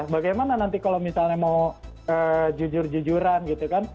bagaimana nanti kalau misalnya mau jujur jujuran gitu kan